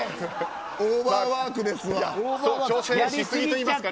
オーバーワークですわ。